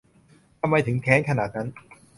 ทำไมถึงแค้นขนาดนั้น